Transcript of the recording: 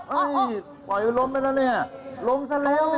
โอ้โ้ยปล่อยลมไปแล้วลมซะแล้ว